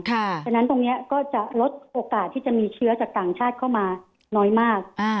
เพราะฉะนั้นตรงนี้ก็จะลดโอกาสที่จะมีเชื้อจากต่างชาติเข้ามาน้อยมาก